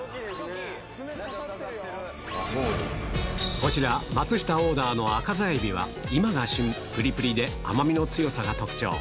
こちら、松下オーダーの赤座海老は、今が旬、ぷりぷりで甘みの強さが特徴。